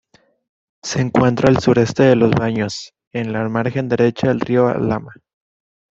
Se encuentra al sureste de los Baños, en la margen derecha del río Alhama.